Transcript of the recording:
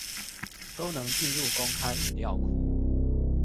都能進入公開語料庫